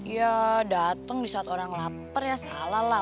ya datang di saat orang lapar ya salah lah